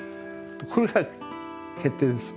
これが決定です。